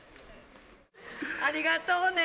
ありがとうね。